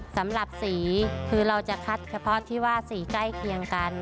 สำหรับสีคือเราจะคัดเฉพาะที่ว่าสีใกล้เคียงกัน